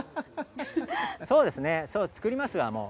そうですね、作りますわ、もう。